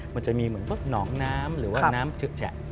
มันจะมีเหมือนรถหนองน้ำหรือว่าน้ำจิกแฉะ